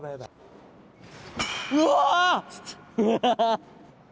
うわ！